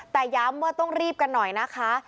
แต่ย้ำว่าต้องรีบกันหน่อยนะคะ